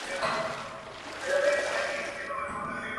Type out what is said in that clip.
Nada se sabe de su lugar de nacimiento y formación.